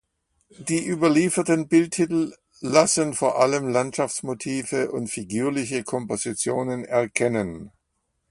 Die überlieferten Bildtitel lassen vor allem Landschaftsmotive und figürliche Kompositionen erkennen.